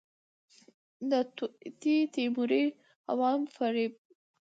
د توطئې تیوري، عوام فریب